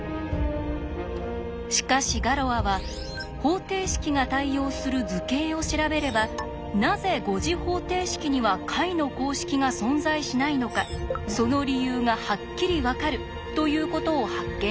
しかしガロアは方程式が対応する図形を調べればなぜ５次方程式には解の公式が存在しないのかその理由がはっきり分かるということを発見したんです。